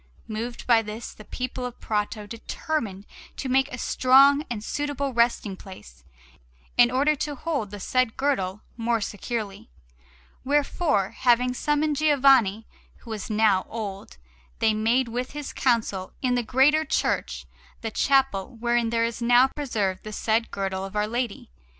Moved by this, the people of Prato determined to make a strong and suitable resting place, in order to hold the said Girdle more securely; wherefore, having summoned Giovanni, who was now old, they made with his counsel, in the greater church, the chapel wherein there is now preserved the said Girdle of Our Lady.